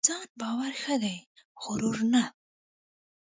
په ځان باور ښه دی ؛غرور نه .